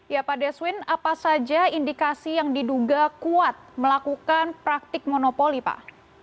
ya pak deswin apa saja indikasi yang diduga kuat melakukan praktik monopoli pak